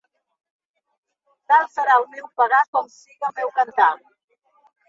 Tal serà el meu pagar com siga el teu cantar.